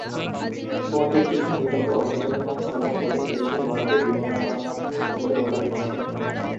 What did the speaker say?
বন্দুকযুদ্ধে নিহত অপরজনের নাম সাদ্দাম বলে পুলিশের বরাতে বিভিন্ন গণমাধ্যমের খবরে বলা হচ্ছে।